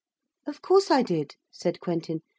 'Of course I did,' said Quentin.